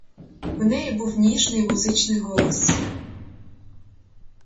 У неї був ніжний музичний голос.